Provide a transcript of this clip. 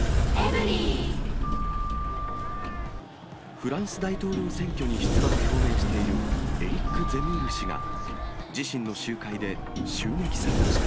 フランス大統領選挙に出馬を表明しているエリック・ゼムール氏が、自身の集会で襲撃されました。